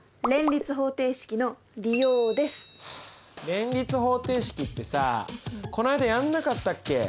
連立方程式ってさこないだやんなかったっけ？